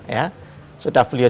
ya sudah beliau